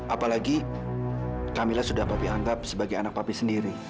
apalagi kamila sudah papi anggap sebagai anak papi sendiri